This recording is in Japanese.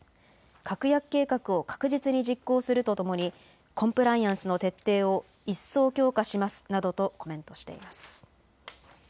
確約計画を確実に実行するとともにコンプライアンスの徹底を一層強化しますなどとコメントしています。